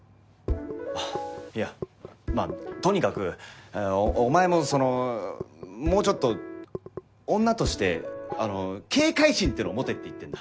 あっいやまあとにかくお前もそのもうちょっと女としてあの警戒心っていうのを持てって言ってるんだ。